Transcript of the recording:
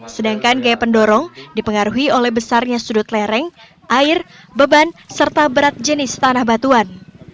sedangkan gaya pendorong dipengaruhi oleh besarnya sudut lereng air beban serta berat jenis tanah batuan